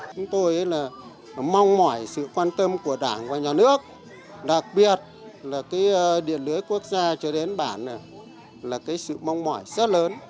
chúng tôi mong mỏi sự quan tâm của đảng và nhà nước đặc biệt là điện lưới quốc gia cho đến bản là sự mong mỏi rất lớn